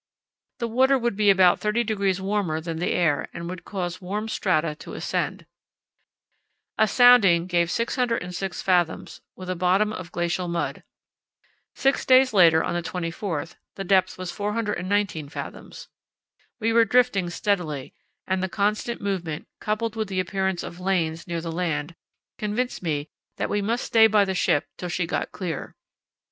The water would be about 30° warmer than the air and would cause warmed strata to ascend. A sounding gave 606 fathoms, with a bottom of glacial mud. Six days later, on the 24th, the depth was 419 fathoms. We were drifting steadily, and the constant movement, coupled with the appearance of lanes near the land, convinced me that we must stay by the ship till she got clear.